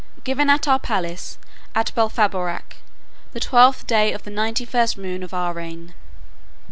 Given at our palace at Belfaborac, the twelfth day of the ninety first moon of our reign."